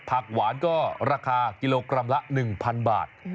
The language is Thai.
ผักหวานก็ราคากิโลกรัมละ๑๐๐บาท